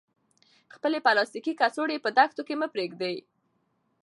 خپلې پلاستیکي کڅوړې په دښتو کې مه پریږدئ.